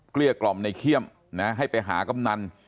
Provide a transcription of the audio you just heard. เครียกล่อมในเครียมให้ไปหากำนัน